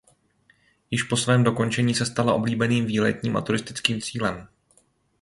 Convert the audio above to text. Již po svém dokončení se stala oblíbeným výletním a turistickým cílem.